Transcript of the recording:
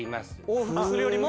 往復するよりも。